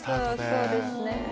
そうですね。